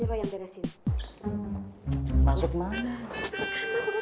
kebanyakan tanya ayo masuk